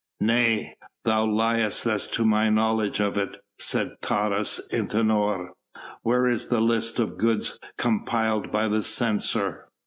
"Nay! thou liest as to my knowledge of it," said Taurus Antinor. "Where is the list of goods compiled by the censor?"